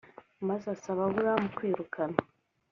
maze asaba aburahamu kwirukana